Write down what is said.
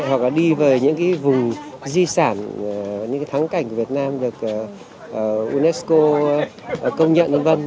hoặc đi về những vùng di sản những thắng cảnh của việt nam được unesco công nhận văn